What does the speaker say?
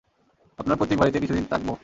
আপনার পৈতৃক বাড়িতে কিছুদিন তাকব।